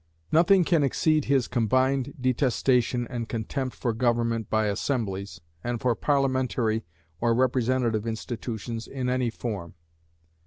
Nothing can exceed his combined detestation and contempt for government by assemblies, and for parliamentary or representative institutions in any form.